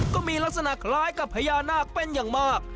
ก็มีลักษณะคล้ายกับพญานาคเป็นอย่างมาก